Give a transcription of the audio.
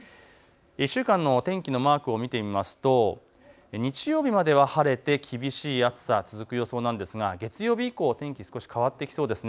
１週間の天気のマークを見てみますと、日曜日までは晴れて厳しい暑さ続く予想なんですが月曜日以降、天気、変わってきそうです。